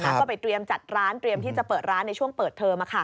ก็ไปเตรียมจัดร้านเตรียมที่จะเปิดร้านในช่วงเปิดเทอม